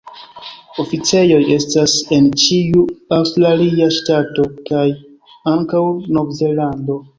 Oficejoj estas en ĉiu aŭstralia ŝtato kaj ankaŭ Nov-Zelando.